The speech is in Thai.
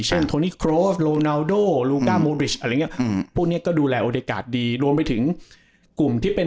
เช่นโลนาโดอะไรเงี้ยอืมพวกเนี้ยก็ดูแลดีรวมไปถึงกลุ่มที่เป็น